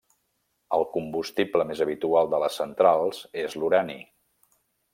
El combustible més habitual de les centrals és l'urani.